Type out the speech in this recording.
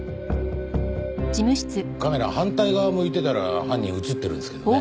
カメラ反対側向いてたら犯人映ってるんですけどね。